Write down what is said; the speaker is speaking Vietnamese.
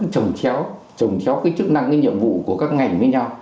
trồng chéo trồng chó cái chức năng cái nhiệm vụ của các ngành với nhau